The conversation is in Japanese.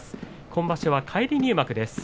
今場所は返り入幕です。